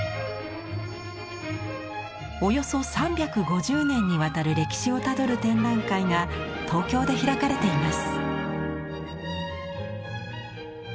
およそ３５０年にわたる歴史をたどる展覧会が東京で開かれています。